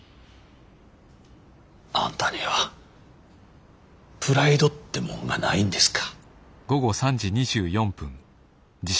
あんたにはプライドってもんがないんですか。